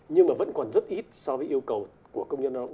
nhưng mà vẫn còn rất ít so với yêu cầu của công nhân lao động